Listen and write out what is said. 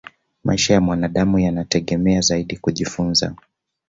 maisha ya mwanadamu yanategemea zaidi kujifunza